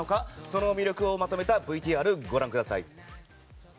その魅力をまとめたＶＴＲご覧ください。